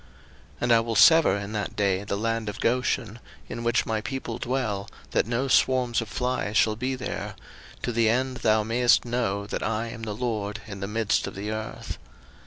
02:008:022 And I will sever in that day the land of Goshen, in which my people dwell, that no swarms of flies shall be there; to the end thou mayest know that I am the LORD in the midst of the earth.